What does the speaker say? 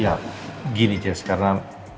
ya gini jess karena